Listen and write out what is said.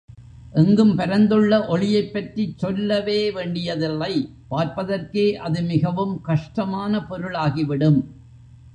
எங்கும் பரந்துள்ள ஒளியைப் பற்றிச் சொல்லவே வேண்டியதில்லை பார்ப்பதற்கே அது மிகவும் கஷ்டமான பொருளாகிவிடும்!